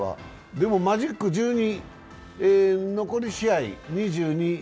でもマジック１２、残り試合２２。